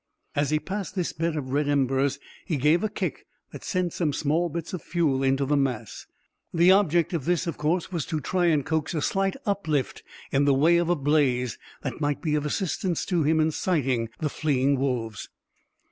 As he passed this bed of red embers, he gave a kick that sent some small bits of fuel into the mass. The object of this, of course, was to try and coax a slight uplift in the way of a blaze that might be of assistance to him in sighting the fleeing wolves.